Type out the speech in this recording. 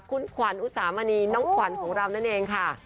คุณขวัญอุสามณีน้องขวัญของเรานั่นเองค่ะ